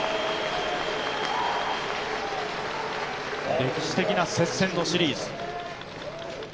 歴史的な接戦のシリーズ。